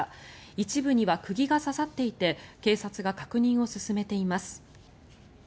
一部には釘が刺さっていて警察が確認を進めています。